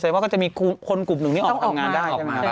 ว่าจะมีคนกลุ่มนึงยอมได้